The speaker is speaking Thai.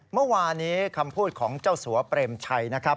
เมื่อวานี้คำพูดของเจ้าสัวเปรมชัยนะครับ